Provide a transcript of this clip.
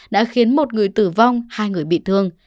đã khiến một người tử vong hai người bị thương